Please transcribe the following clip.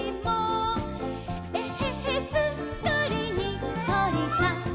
「えへへすっかりにっこりさん！」